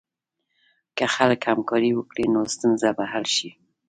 که خلک همکاري وکړي، نو ستونزه به حل شي.